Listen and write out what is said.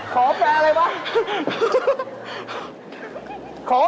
ขอแฟนอะไรบ้าง